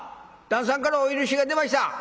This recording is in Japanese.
旦さんからお許しが出ました。